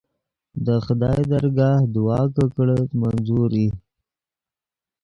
دے خدائے درگاہ دعا کہ کڑیت منظور ای